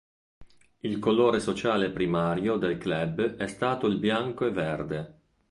Il colore sociale primario del club è stato il bianco e verde.